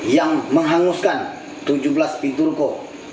yang menghanguskan tujuh belas pintu ruko